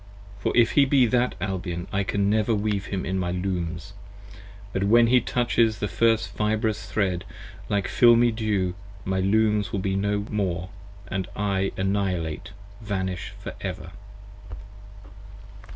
For if he be that Albion I can never weave him in my Looms, 10 But when he touches the first fibrous thread, like filmy dew My Looms will be no more & I annihilate vanish for ever.